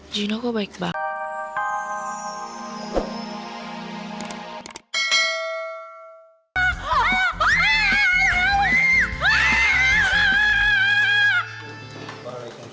jino kok baik banget